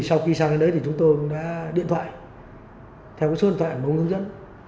sau khi sang đến đấy thì chúng tôi đã điện thoại theo số điện thoại mà ông hướng dẫn